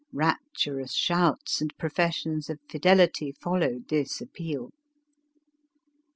Rapturous shouts and professions of fidelity followed this appeal.